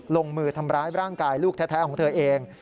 ลงมือทำร้ายร่างกายลูกแท้ของเธอเอง